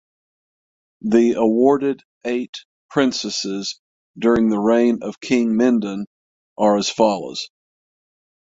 The awarded eight princesses during the reign of King Mindon are as follows.